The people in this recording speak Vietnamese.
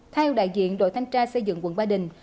theo đại diện đội thanh tra xây dựng quận ba đình